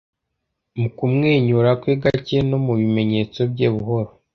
Mu kumwenyura kwe gake no mubimenyetso bye buhoro